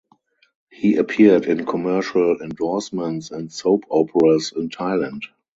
He appeared in commercial endorsements and soap operas in Thailand.